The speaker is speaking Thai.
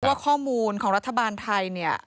ว่าข้อมูลของรัฐบาลไทยเนี่ย